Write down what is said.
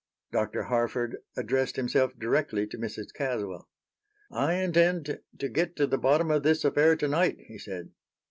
Dr. Harford addressed himself directly to Mrs. Caswell. "I intend to get to the bottom of this affair tonight," he said.